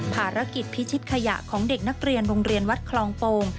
ภารกิจพิชิตขยะของเด็กนักเรียนโรงเรียนวัดคลองโป่ง